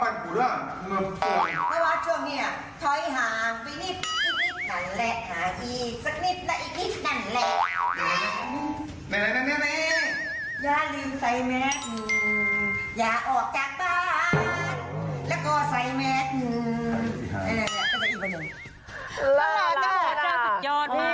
น่ารักนะป๊าจ้าสุดยอดมากเลย